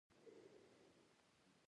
• ښه ملګری د زړه ملګری وي.